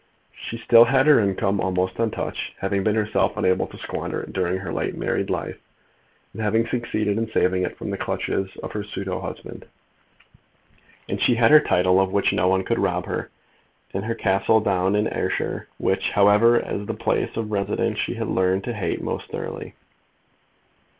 She still had her income almost untouched, having been herself unable to squander it during her late married life, and having succeeded in saving it from the clutches of her pseudo husband. And she had her title, of which no one could rob her, and her castle down in Ayrshire, which, however, as a place of residence she had learned to hate most thoroughly.